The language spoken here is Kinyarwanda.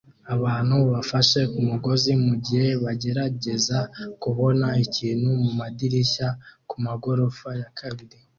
Abantu bafashe kumugozi mugihe bagerageza kubona ikintu mumadirishya kumagorofa ya kabiri